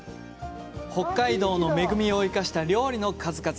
北海道の恵みを生かした料理の数々。